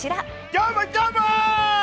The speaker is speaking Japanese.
どーも、どーも！